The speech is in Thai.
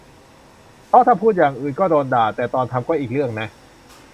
เพราะถ้าพูดอย่างอื่นก็โดนด่า แต่ตอนทำก็อีกเรื่องนะ